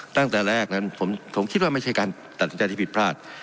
ตั้งแต่แรกนั้นผมคิดว่าไม่ใช่การตัดสินใจที่ผิดพลาด